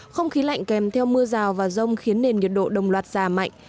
không khí lạnh kèm theo mưa rào và rông khiến nền nhiệt độ đồng loạt giảm mạnh